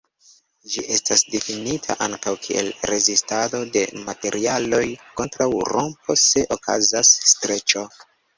Ĝi estas difinita ankaŭ kiel rezistado de materialoj kontraŭ rompo se okazas streĉo.